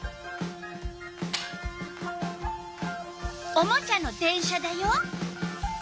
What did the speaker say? おもちゃの電車だよ。